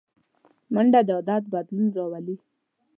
منډه د عادت بدلون راولي